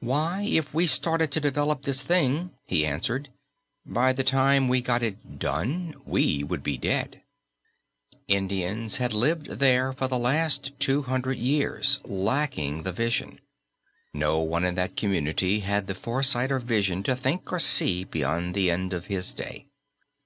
"Why, if we started to develop this thing," he answered, "by the time we got it done, we would be dead." Indians had lived there for the last two hundred years lacking the vision. No one in that community had the foresight or vision to think or see beyond the end of his day.